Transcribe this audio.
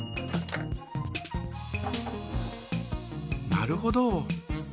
なるほど。